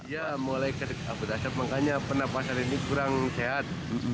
ya mulai kabut asap makanya penapasan ini kurang sehat